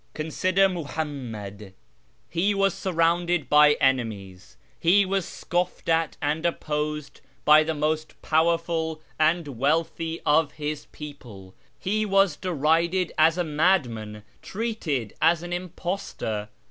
Consider Muhammad. He was surrounded by enemies, he was scoffed at and opposed by the most powerful and wealthy of his people, he was derided as a madman, treated as an impostor.